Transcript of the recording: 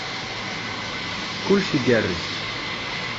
Kullec igerrez.